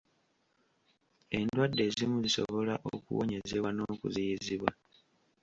Endwadde ezimu zisobola okuwonyezebwa n'okuziyizibwa.